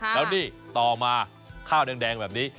แล้วนี่ต่อมาข้าวแดงแบบนี้